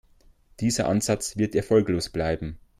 Dieser Ansatz wird erfolglos bleiben.